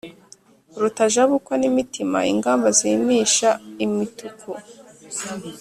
Rutajabukwa n’imitima ingamba zimisha imituku